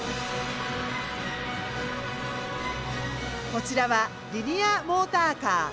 こちらはリニアモーターカー。